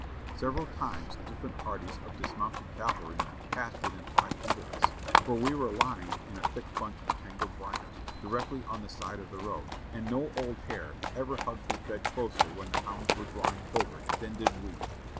Several times different parties of dismounted cavalrymen passed within five feet of us, for we were lying in a thick bunch of tangled briers, directly on the side of the road, and no old hare ever hugged his bed closer when the hounds were drawing covert than did we.